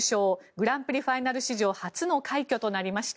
グランプリファイナル史上初の快挙となりました。